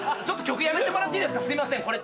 ちょっと曲やめてもらっていいですかすいません。